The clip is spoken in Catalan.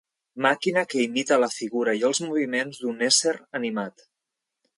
Màquina que imita la figura i els moviments d'un ésser animat.